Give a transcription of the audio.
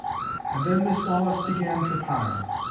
And then Miss Wallis began to pine.